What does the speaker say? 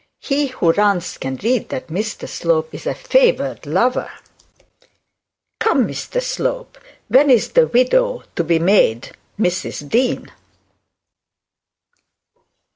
He who runs can read that Mr Slope is a favoured lover. Come, Mr Slope, when is the widow to be made Mrs Dean?'